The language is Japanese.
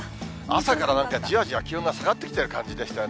朝からじわじわ気温が下がってきてる感じでしたよね。